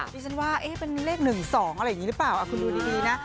ดิฉันว่าเป็นเลข๑๒อะไรอย่างนี้หรือเปล่าคุณดูดีนะ